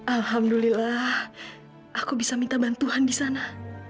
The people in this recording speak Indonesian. alhamdulillah aku bisa minta bantuan di sana